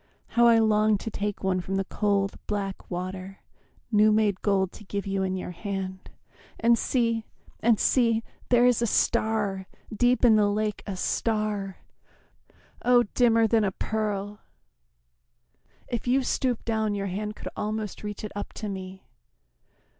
How I long to take One from the cold black water new made gold To give you in your hand! And see, and see, There is a star, deep in the lake, a star! Oh, dimmer than a pearl if you stoop down Your hand could almost reach it up to me.